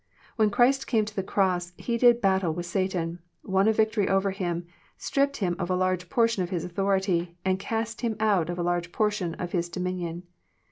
When Christ came to the cross He did battle with Satao, won a victory over him, stripped him of a large portion of his authority, and cast him out of a large portion of his do minion.